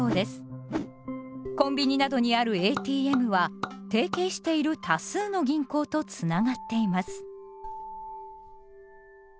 コンビニなどにあるＡＴＭは提携している多数の銀行とつながっています。